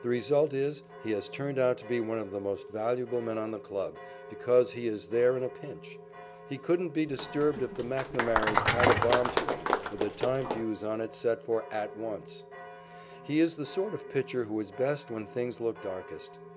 The result is he has turned out to be one of the most valuable men on the club, because he is there in a pinch. He couldn't be disturbed if the McNamaras tied a bomb to him, with a time fuse on it set for "at once." He is the sort of pitcher who is best when things look darkest.